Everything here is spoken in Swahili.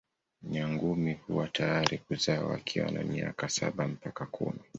Nyangumi huwa tayari kuzaa wakiwa na miaka saba mpaka kumi.